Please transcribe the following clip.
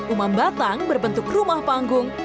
umambata berbentuk rumah panggung